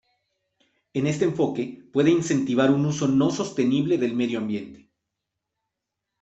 Este enfoque puede incentivar un uso no sostenible del medio ambiente.